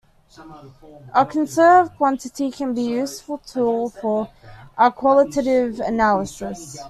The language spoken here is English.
A conserved quantity can be a useful tool for qualitative analysis.